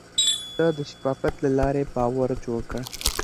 ده د شفافيت له لارې باور جوړ کړ.